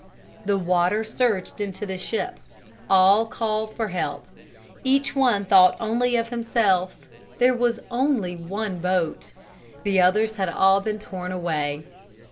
The water surged into the ship. All called for help. Each one thought only of himself. There was only one boat. The others had all been torn away.